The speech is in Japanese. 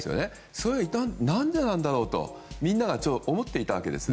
それは一体何でなんだろうとみんなが思っていたわけです。